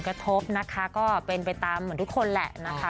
กระทบนะคะก็เป็นไปตามเหมือนทุกคนแหละนะคะ